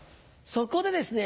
そこでですね